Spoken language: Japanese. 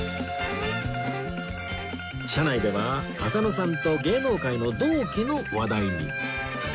車内では浅野さんと芸能界の同期の話題に